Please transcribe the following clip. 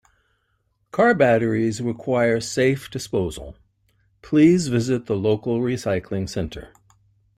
Car batteries require safe disposal, please visit the local recycling center.